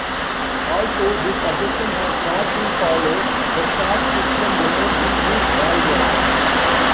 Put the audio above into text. Although this suggestion has not been followed, the Stock system remains in use worldwide.